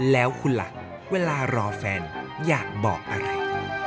แล้วคุณล่ะเวลารอแฟนอยากบอกอะไร